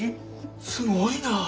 すごいな！